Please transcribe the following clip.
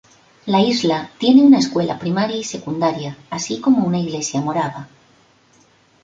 La isla tiene una escuela primaria y secundaria, así como una iglesia morava.